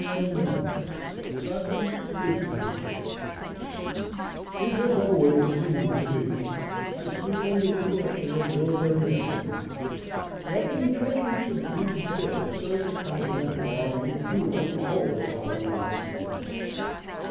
CHAPTER XCI. Satis Pugnae It has always seemed to me (I speak under the correction of military gentlemen) that the entrenchments of Breed's Hill served the Continental army throughout the whole of our American war.